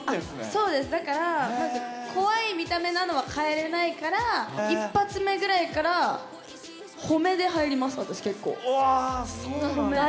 そうですだから怖い見た目なのは変えれないから１発目ぐらいからおわそうなんだ。